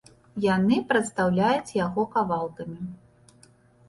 Яны прадстаўляюць яго кавалкамі.